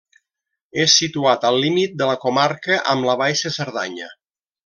És situat al límit de la comarca amb la Baixa Cerdanya.